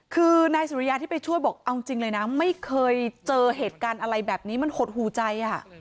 คือนายสุริยาที่ไปช่วยบอกเอาจริงเลยนะไม่เคยเจอเหตุการณ์อะไรแบบนี้มันหดหูใจ